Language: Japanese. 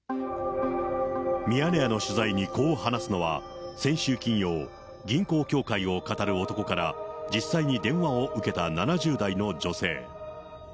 ミヤネ屋の取材にこう話すのは、先週金曜、銀行協会をかたる男から、実際に電話を受けた７０代の女性。